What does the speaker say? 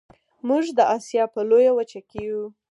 موږ د اسیا په لویه وچه کې یو